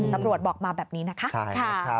ตำรวจบอกมาแบบนี้นะคะ